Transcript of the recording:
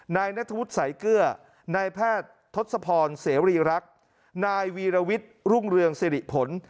นายนัทวุฒิสายเกลือนายแพทย์ทศพรเสรีรักษ์นายวีรวิทย์รุ่งเรืองสิริผล